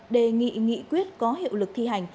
đề nghị nghị quyết có hiệu lực thi hành